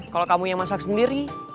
kalau kamu yang masak sendiri